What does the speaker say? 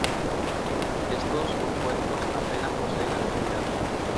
Estos compuestos apenas poseen actividad.